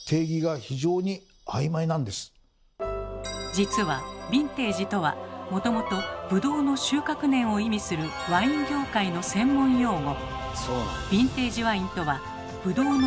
実は「ヴィンテージ」とはもともと「ブドウの収穫年」を意味するワイン業界の専門用語。